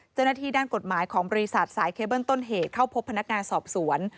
เจ้าหน้าที่ด้านกฎหมายของบริษัทสายเคเบิ้ลต้นเหตุเข้าพบพนักงานสอบสวน